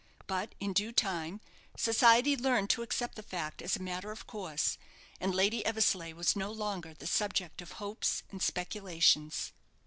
But in due time society learned to accept the fact as a matter of course, and Lady Eversleigh was no longer the subject of hopes and speculations.